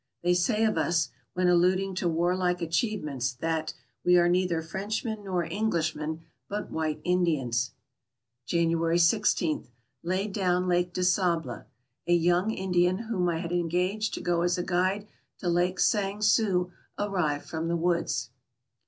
They say of us, when alluding to warlike achievements, that "we are neither Frenchmen nor Englishmen, but white Indians." January 16. — Laid down Lake de Sable. A young Indian whom I had engaged to go as a guide to Lake Sang Sue arrived from the woods.